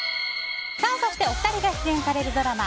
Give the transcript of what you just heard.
そしてお二人が出演されるドラマ